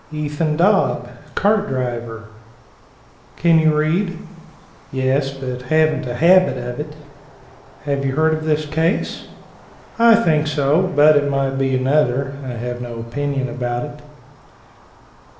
Ethan Dobb, cart driver. "Can you read?" "Yes, but haven't a habit of it." "Have you heard of this case?" "I think so but it might be another. I have no opinion about it."